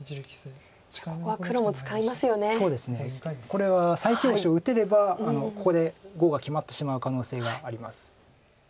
これは最強手を打てればここで碁が決まってしまう可能性があります。